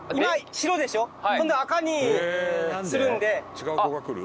違う子が来る？